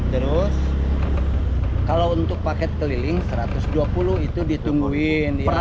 terus kalau untuk paket keliling satu ratus dua puluh itu ditungguin